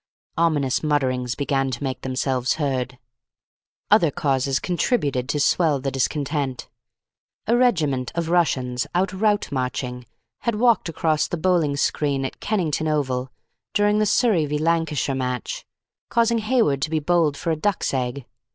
Ominous mutterings began to make themselves heard. Other causes contributed to swell the discontent. A regiment of Russians, out route marching, had walked across the bowling screen at Kennington Oval during the Surrey v. Lancashire match, causing Hayward to be bowled for a duck's egg.